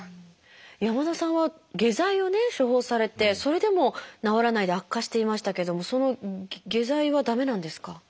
山田さんは下剤を処方されてそれでも治らないで悪化していましたけれどもその下剤は駄目なんですか？